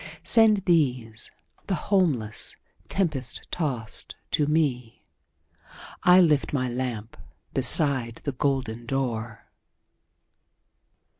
Send these, the homeless, tempest tost to me,I lift my lamp beside the golden door!"